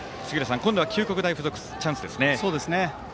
今度は九国大付属チャンスですね。